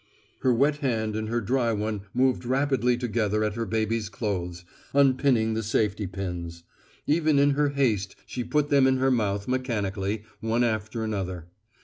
Her wet hand and her dry one moved rapidly together at her baby's clothes, unpinning the safety pins. Even in her haste she put them in her mouth mechanically, one after another.